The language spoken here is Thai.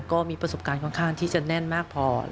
ก็มีประสบการณ์ค่อนข้างที่จะแน่นมากพอ